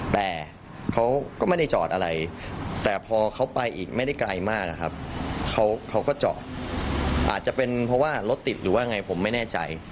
แต่เขาก็ไม่ได้จอดอะไรแต่พอเขาไปอีกไม่ได้ไกลมากนะครับเขาก็จอดอาจจะเป็นเพราะว่ารถติดหรือว่าไงผมไม่แน่ใจ